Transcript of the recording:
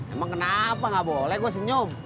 emang kenapa gak boleh gue senyum